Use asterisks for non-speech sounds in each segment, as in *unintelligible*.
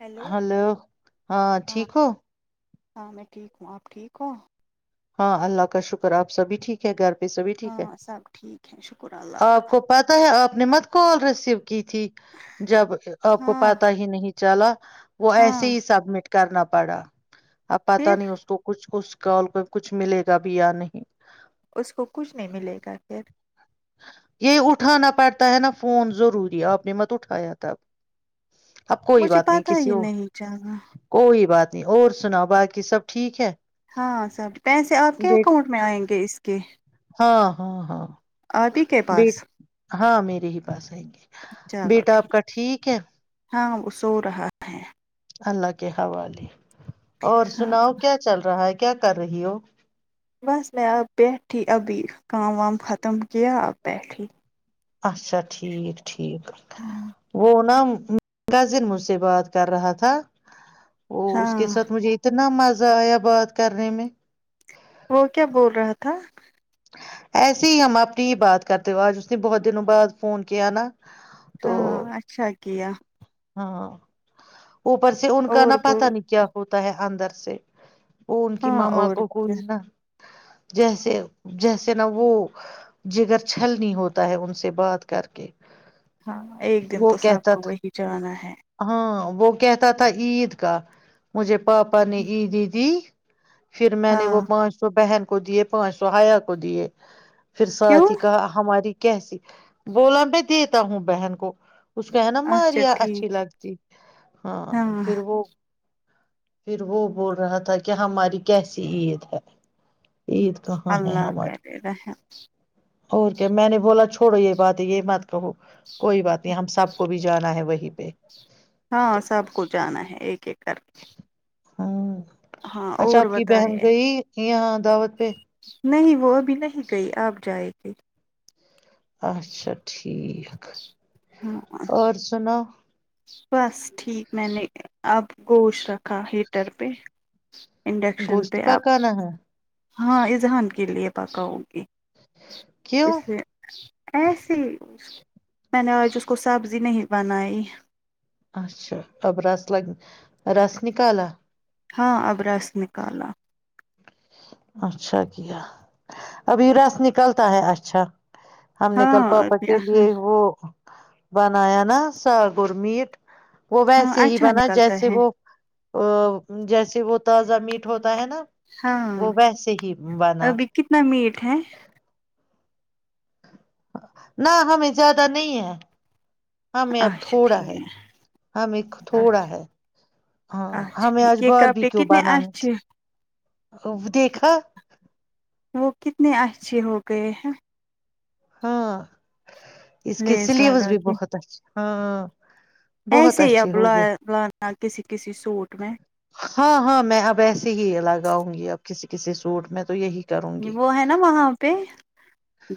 Hello hello ہاں ٹھیک ہو *unintelligible* ہاں میں ٹھیک ہوں آپ ٹھیک ہو ہاں اللہ کا شکر آپ سبھی ٹھیک ہے گھر سبھی ٹھیک ہے ہاں سب ٹھیک ہے شکر اللہ کا آپ کو پتا ہے آپ نے مت کال ریسیو کی تھی جب آپ کو ہاں پتا ہی نہیں چل وہ ایسے ہاں ہی سب مٹ کرنا پڑا اب پتاہ پھر نہیں اس کو کچھ کچھ کال کچھ ملے گا بھی یا نہیں اس کو کچھ نہیں ملے گا پھر یہ اٹھانا پڑتا ہے نا فون ضروری آپ نے مت اٹھایا تب اب کوئی مجھے بات نہیں پتا کسی ہی اور نہیں چلا کوئی بات اور سناؤ باقی سب ٹھیک ہے ہاں سب پیسے آپ کے بیٹ اکاؤنٹ میں آئیں گے اس کے *inaudible* ہاں ہاں ہاں آرپی کے بیٹ پاس ہاں میرے ہی پاس آئیں گے بیٹا آپ کا ٹھیک ہے ہاں وہ سو رہا ہے اللہ کے حوالے اور ہاں سناؤ کیا چل رہا ہے کیا کر رہی ہو بس میں آپ بیٹھی ابھی کام وام ختم کیا آپ بیٹھی اچھا ٹھیک ٹھیک وہ نا کزن مجھ سے بات کر رہا تھا وہ اس کے ہاں ساتھ مجھے اتنا مز ذائع باد کرنے میں وہ کیا بول رہا تھا ایسے ہی ہم اپنی ہی بات کرتے ہو آج اس نے بہت دنوں بعد فون کیا نا تو ہاں اچھا گیا ہاں اوپر سے ان کا اور نا پتا بول نہیں کیا ہوتا ہے اندر سے وہ ان کی ہاں ماںاما اور کو کیا کوئی نا جیسے جیسے نا وہ جگر چھل نہیں ہوتا ہے ان سے بات کر کے ہاں ایک دن وہ تو سب کہتا کو وہی کرانا ہے ہاں وہ کہتا تھا عید کا مجھے پاپا نے ای دییدی پھر میں نے وہ ہاں پانچ سو بہن کو دیے پانچ سو ہایا کو دیے پھر کیوں ساتھ ہی کہا ہماری کیسی بولا میں دیتا ہوں بہن کو خشکانم اچھا آارییا اچھی ٹھیک لگتی ہاں پھر وہ پھر وہ بول رہا تھا کہ ہماری کیسی عید ہے عید کہاں ہے اللہ ہمار کرے رحم اور کیا میں نے بولا چ تھوڑو یہ بات یہ مت کہو کوئی بات نہیں ہم سب کو بھی جانا ہے وہی ہاں سب کو جانا ہے ایک ایک کر ہاں ہاں اچھا اور آپ کی بہن بتائے گئی یہ ہاں دعوت پہ نہیں وہ ابھی نہیں گئی آپ جائے گی اچھا ٹھیک ہاں اور سناو بس ٹھیک میں نے اب گوش رکھا کا ہیٹر پہ ج *inaudible* گوشت پکانا ہے ہاں اذہان کے لیے پکاؤگی اس کیوں لیے ایسے ہی میں نے آج اس کو سبزی نہیں بنائی اچھا اب رس لگ رس نکالا ہاں ابرس نکالا اچھا کیا اب وراس نکلتا ہے اچھا ہم نے ہاں کلپاپچے لیے وہ بنا نا سالگور میٹ وہ ہاں ویسے ہی اچھا بنا نکلتا جیسے ہے وہ ا جیسے وہ تازہ میٹ ہوتا ہے نا ہاں وہ ویسے ہی بنا ابھی کتنا میٹ ہے نہ ہمیں زیادہ نہیں ہے ہمیں اب اچھا تھوڑا ٹھیک ہے ہمیں تھوڑا ہے ہاں اچھا ہمیں آج ٹھیک یہ بار بھی کپڑے کیوں کتنے اچھے بنااہ دیکھا وہ کتنے اچھے ہو گئے ہیں ہاں اس کے لیس سلیبس لگا بھی کے بہت اچھا ہاں ہاں *unintelligible* بہت ایسے ہی اب اچھے ہو گئے لانا کسی کسی سوٹ میں ہاں ہاں میں اب ایسے ہی لگاؤں گی اب کسی کسی سوٹ میں تو یہی کروں گی وہ ہے نا وہاں پہ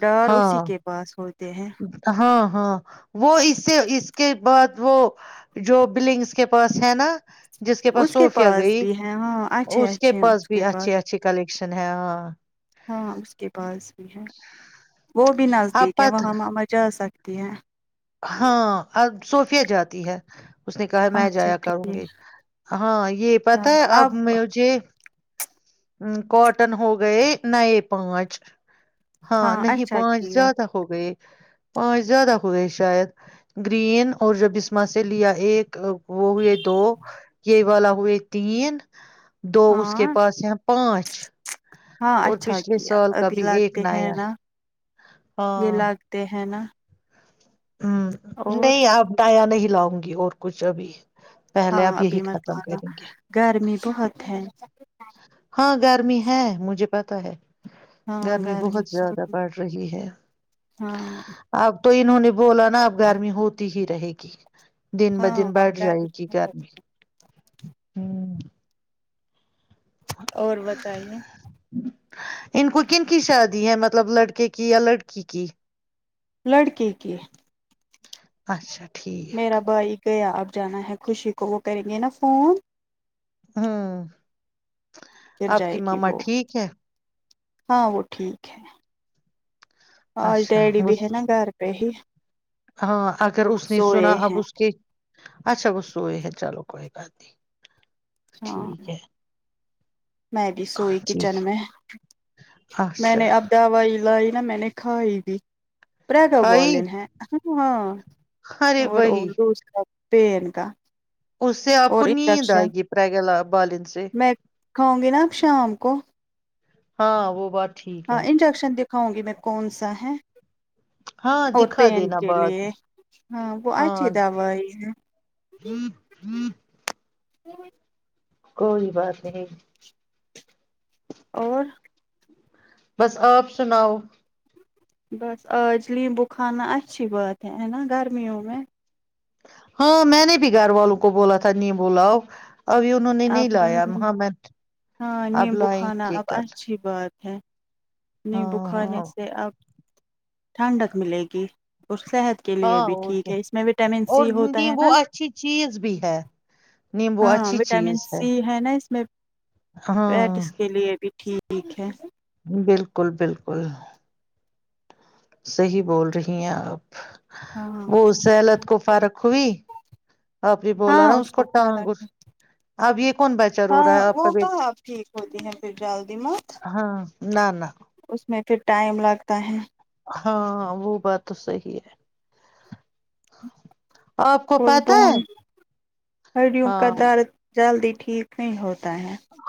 ڈر اسی ہاں کے پاس ہوتے ہیں ہاں ہاں وہ اس سے اس کے بعد وہ جو بلنگس کے پاس ہے نا اس کے پاس سوفیا پاس گئی بھی ہے ہاں اچھے اس کے اچھے ہیں پاس بھی اچھے اچھے کل شن ہےاں ہاں اس کے پاس بھی ہے وہ بھی آپ نزدیک ہے پت وہاں ماما جا سکتے کہ *unintelligible* ہاں اب صوفیہ جاتی ہے اس نے کہا میں اچھا جایا کروں ٹھیک گی ہاں یہ پتا ہے اب مھے ہ کاٹن ہو گئے نئے پانچ ہاں نہیں اچھا پانچ کیا زیادہ ہو گئے پانچ زیادہ ہو گئے شاید گرین اور جو بسما سے لیا ایک وہ ہوئے دو یہ والا ای تین *unintelligible* دو اس کے ہاں پاس پانچ *unintelligible* ہاں اور اچھا پچھلے کیا سال کا ابھی بھی ایک لگتے ہیں نیا ہے نا یہ ہاں لگتے ہیں نا ہ اور نہیں آپ ڈٹایاں نہیں لاؤ ہوں گی اور کچھ ابھی پہلے ہاں آپ یہی ابھی ختم مکانا کریں گے گرمی بہت ہے گرمی ہے مجھے پتا ہے ہاں گرمی بہت زیادہ سوری بڑھ رہی ہے ہاں اب تو انہوں نے بولاو نا اب گرمی ہوتی ہی ہے کہ *unintelligible* دن ب ہاں دن اب بڑھ جائے گرمی گی بہت۔ گرمی ہ اور بتائیے ان کو کن کی شادی ہے مطلب لڑکے کی یا لڑکی کی لڑکے کے اچھاچ میرا بھائی گیا ابھی جانا ہے خوشی کو وہ کریں گے نا فون ہاں پھر آپ کی جائے گی ماما وہ ٹھیک ہے ہاں وہ ٹھیک ہے آج اچھا ڈیڈی وہ بھی ہے نا گھر پہ ہی ہاں اگر اس نے سوئے سنا اب ہیں اس کے اچھا وہ سوئے ہے چلو کوئی بات نہیں ہاں ٹھیک ہے میں بھی سوئی کچن ٹھیک میں ہے میں اچھا نے اب دوائی لائی ن مینکا ای پ کا کھائی بالن ہیں ہاں ہاں ارے اور وہی اردو اس کا پن کا اس سے آپ کو اور نیند آئے انڈکشن گی پگلا بالن سے کھاؤ گے نا آپ شام کو ہاں وہ بات ٹھیک ہے ہاں انجکشن د کاؤوںں گی میں کون سا ہے ہاں اور دکھا پینٹ دینا کے بعد لیے میں ہاں وہ اچھی ہاں دوائی ہے ہ کوئی بات نہیں اور بس آپ سناؤ بس آج لییمبو کھانا اچھی بات ہے ہے نا گرمیوں میں ہاں میں نے بھی گھر والوں کو بولا تھا نہیں بولاؤ ابھی انہوں نے نہیں اب لایا ہاں میں ہاں اب نیمبو لیں کھانا یہ کر نہیں بخارے سے آپ ٹھنڈک ملے گی اس صحت کے لیے ہاں بھی اور ٹھیک کیا ہے اس میں وٹامن اور سی ہوتا ہے نا نیمبو اچھی چیز بھی ہے نیمبو ہاں اچھی وٹامن چیز سی ہے نا اس میں ہاں فیٹس کے لیے بھی ٹھیک ٹھیک ہے بالکل بالکل صی بول رہی ہیں آپ ہاں وہ سلت کو فارق ہوئی آپ یہ بولا ہاں رہا ہوں اس کو ٹانگ فرق ہے اب یہ کون بیچار ہو رہا ہاں ہے آپ کا وہ بیٹا کہاں ٹھیک ہوتی ہے پھر جلدی مت ہاں نہ نہ اس میں پھر ٹائم لگتا ہے ہاں وہ بات تو صی ہے آپ کو اور ب پتہ ہے ہڈوں کا ہاں دار *unintelligible* جلدی ٹھیک ک ہوس *unintelligible*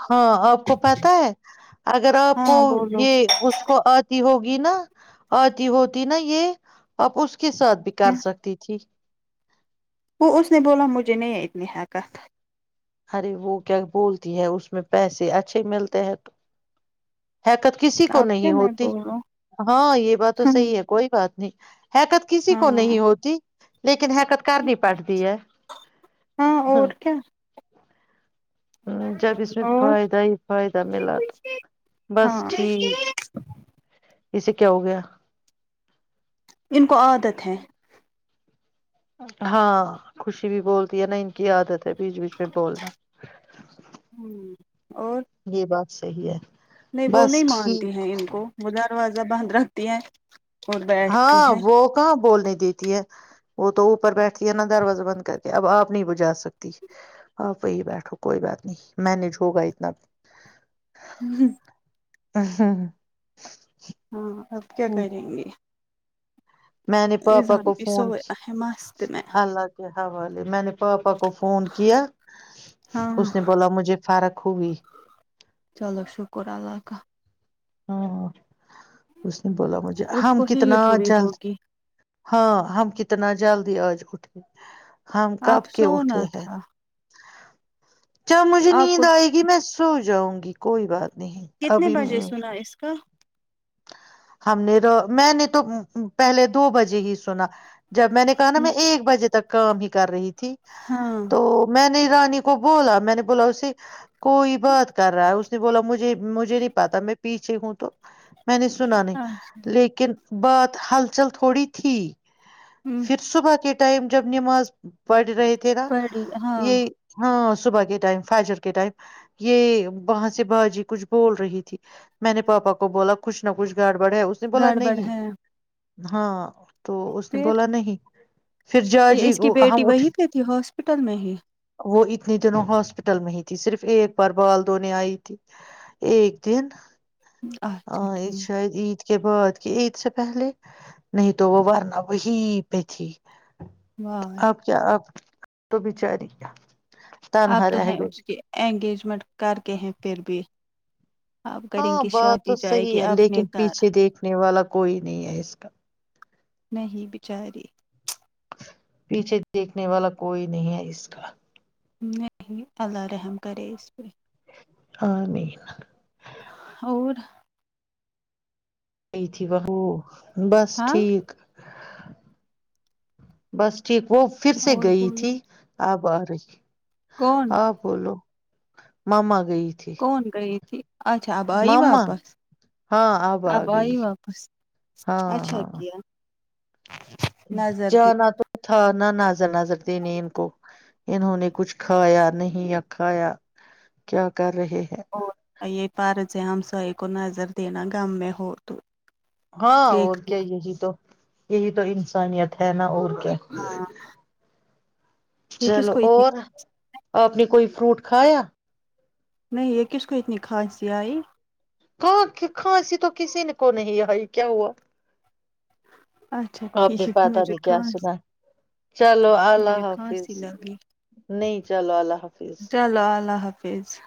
ہاں آپ کو پتا ہے اگر آپ کو ہاں بولو یہ اس کو آتی ہوگی *unintelligible* نا آتی ہوتی نا یہ آپ اس *unintelligible* کے ساتھ بھی کر کیا سکتی تھی *unintelligible* کت *inaudible* ارے وہ کیا بولتی ہے اس میں پیسے اچھے ملتے ہیں تو *unintelligible* حیکت کسی کو اب کیا نہیں میں ہوتی بولوں ہاں یہ بات تو ہاں صحیح ہے کوئی بات *unintelligible* جی *inaudible* حیکت کسی ہاں کو نہیں ہوتی *unintelligible* لیک *unintelligible* لیکن حرکت کرنی پٹتی ہے ہاں اور *unintelligible* کیا ہ جب اس میں اور فائدہ ہی فائدہ ملا تو ہاں بس ٹھیک *unintelligible* اسے کیا ہو گیا *unintelligible* ان کو عادت ہے *unintelligible* ہاں خوشی بھی بولتی ہے نا ان کی عادت *unintelligible* بیچ بیچ میں بولنا اور یہ بات *unintelligible* صحیح ہے *unintelligible* نہیں وہ نہیں بس مانتی ٹھیک ہیں ان کو م *unintelligible* دروازہ بند رکھتی ہیں *unintelligible* ہاں وہ کہاں بول رہ تھے *unintelligible* دیتی ہے وہ تو اوپر بیٹھتی ہے نا دروازہ بند کرتی اب آپ نہیں بجا سکتی آپ وہی بیٹھو کوئی بات نہیں مینج ہوگا اتنا *unintelligible* ہ *inaudible* ہ ہاں *unintelligible* ہاں اب کیا کریں گے *unintelligible* میں نے پاپا اذہان کو بھی فون سویا ہے مست میں اللہ کیا *unintelligible* ہوا لے میں نے پاپ *unintelligible* پپا کو فون کیا ہاں اس نے بولا مجھے فرق ہوئی *unintelligible* چلو شکر اللہ کا ہاں *unintelligible* اس نے بولا مجھے اس ہم کو کتنا ہیٹ ہوئی جلد ہوگی ہاں ہم کتنا *unintelligible* جلد آج اھھی *unintelligible* ہم کب آپ کے اٹھے سونا ہیں تھا *unintelligible* چل مجھے آپ نیند کو آئے گی میں *unintelligible* سو جاؤں گی *unintelligible* کوئی بات نہیں کتنے ابھی *unintelligible* بجے سنا اس کا ہم نے میں نے تو پہلے دو بجے ہی سنا جب میں نے کہا نا میں ایک بجے تک کام ہی کر رہی تھی ہاں تو میں نے رانی کو بولا میں نے بولا اس سے کوئی بات کر رہا ہے اس نے بولا مجھے مجھے نہیں پتا میں پیچھے ہوں تو میں نے سنا نہیں اچھا لیکن بات ہلچل تھوڑی تھی پھر صبح کے ٹائم جب نماز پڑھ رہے تھے پڑی ہاں تھے نا صبح کے ٹائم فجر کے ٹائم یہ وہاں سے باجی کچھ بول رہی تھی میں نے پاپا کو بولا کچ نہ کچھ گڈبڈ گڈبڈ ہے اس نے بولا گڑبڑ نہیں ہے ہاں تو اس نے پھر بولا نہیں پھر جا جی اس کی بیٹی ہم اٹھ وہی پہ تھی ہاسپٹل میں ہی وہ اتنے دنوں ہاسپٹل میں ہی تھی صرف ایک بار بال دھونے آئی تھی ایک دن اچھا ہاں یہ ٹھیک شاید عید کے بعد کہ عید سے پہلے نہیں تو وہ ورنہ وہی پہ تھی واہ اب کیا اب تو بچاری کیا اپ تو ہے اس کی انگیجمنٹ کر کے ہیں پھر بھی آپ کریں ہاں گی بات تو شادی جائے صحیح گی ہے اپنے لیکن گھر پیچھے دیکھنے والا کوئی نہیں ہے اس کا نہیں بچاری پیچھے دیکھنے والا کوئی نہیں ہے اس کا نہیں اللہ ررحم کرے اس پے آمین اور گئی تھی وہ بس ہاں ٹھیک بس ٹھیک وہ پھر سے اور گئی بولو تھی آب آئ *unintelligible* کون ہاں بولو مما گئی تھی کون گئی تھی اچھا اب ائی ماما واپس ہاں آ اب گئی ائی واپس ہاں اچھا ہاں کیا نظر دی جانا تو تھا نہ نظر نظر دینے ان کو انہوں نے کچھ کھایا نہیں یا کھایا کیا کر رہے ہیں اور نہ یہ فرض ہے ہمسائے کو نظر دینا گم میں ہو تو ہاں اور کیا دیکھنا یہی تو یہی تو انسانیت ہے نا اور کیا ہاں *unintelligible* *inaudible* یہ کس چلو کو اتنی اور اپنے کوئی فروٹ کھایا نہیں یہ کس کو اتنی کھانسی آئی کہاں خھ کھانسی تو کسی نے کو نہیں ائی کیا ہوا اچھا آپ نے ٹھیک پتا مجھے نہیں کیا سنا کھانسی چلو اللہ مجھے حافظ کھانسی لگی نہیں چلو اللہ حافظ حفظ